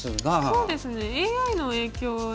そうですねＡＩの影響ですかね。